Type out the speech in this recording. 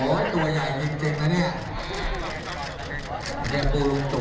โอ้โฮ